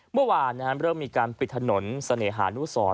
เมื่อวานเริ่มมีการปิดถนนเสน่หานุสร